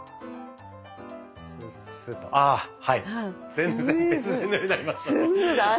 全然別人のようになりましたね。